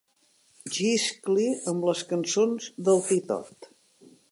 Xiscli amb les cançons del Titot.